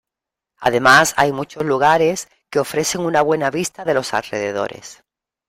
Además hay muchos lugares que ofrecen una buena vista de los alrededores.